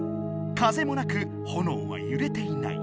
風もなくほのおはゆれていない。